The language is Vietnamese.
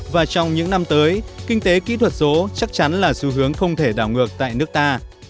và trong những năm tới kinh tế kỹ thuật số chắc chắn là xu hướng không thể đảo ngược tại nước ta